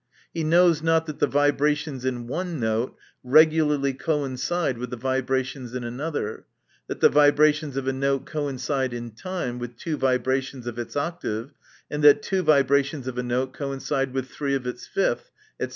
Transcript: He knows not, that the vibratipns in one note regularly coincide with the vibrations in another ; that the vibrations of a note coincide in time with two vibrations of its octave ; and that two vibrations of a note coincide with three of its fifth, &C.